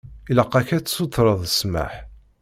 Ilaq-ak ad tsutreḍ ssmaḥ.